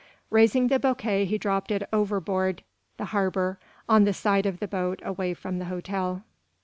Raising the bouquet he dropped it overboard the harbor on the side of the boat away from the hotel.